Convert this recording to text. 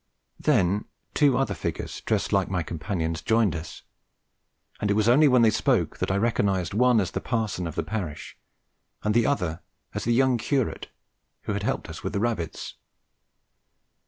Then two other figures dressed like my companions joined us, and it was only when they spoke that I recognised one as the parson of the parish, and the other as the young curate who had helped us with the rabbits.